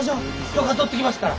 許可取ってきますから。